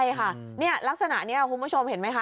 ใช่คะลักษณะนี้คุณประชงเห็นไหมค่ะ